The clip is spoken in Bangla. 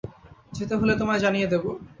যেতে হলে তোমায় জানিয়ে দেবো।